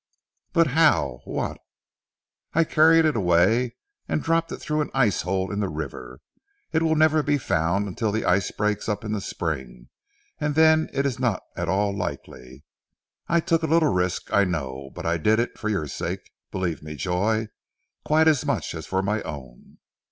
"But how? What " "I carried it away, and dropped it through an ice hole in the river. It will never be found until the ice breaks up in the spring, and then it is not at all likely. I took a little risk, I know; but I did it for your sake, believe me, Joy, quite as much as for my own."